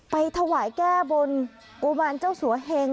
ไปถวายแก้บนกุมารเจ้าสัวเหง